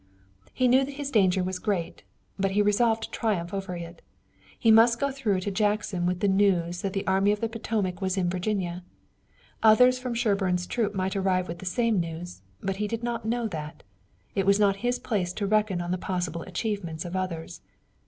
He knew that his danger was great, but he resolved to triumph over it. He must get through to Jackson with the news that the Army of the Potomac was in Virginia. Others from Sherburne's troop might arrive with the same news, but he did not know it. It was not his place to reckon on the possible achievements of others.